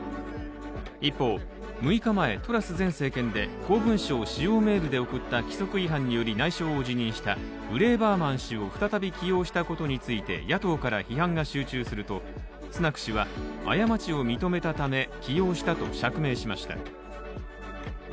一方、６日前、トラス前政権で公文書を私用メールで送った規則違反により内相を辞任したブレーバーマン氏を再び起用したことについて野党から批判が集中するとスナク氏は過ちを認めたため起用したと釈明しました。